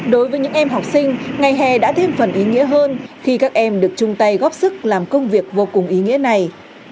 đối với những em học sinh ngày hè đã thêm phần ý nghĩa hơn khi các em được chung tay góp sức làm công việc vô cùng ý nghĩa này